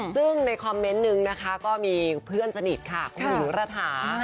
ซึ่งในคอมเมนต์นึงนะคะก็มีเพื่อนสนิทค่ะคุณหญิงระถา